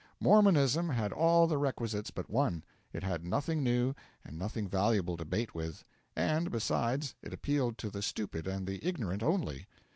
Mormonism had all the requisites but one it had nothing new and nothing valuable to bait with; and, besides, it appealed to the stupid and the ignorant only.